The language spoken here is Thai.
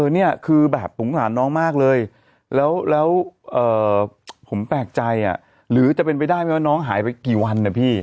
นี่คือแบบสงสารน้องมากเลยแล้วผมแปลกใจหรือจะเป็นไปได้ไหมว่าน้องหายไปกี่วันนะพี่